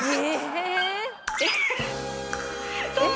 えっ！